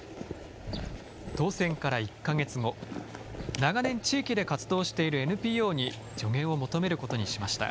当選から１か月後、長年、地域で活動しているＮＰＯに助言を求めることにしました。